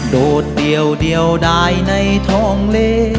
โดดเดี่ยวเดี่ยวได้ในทองเล